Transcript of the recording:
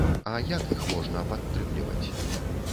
А як іх можна падтрымліваць?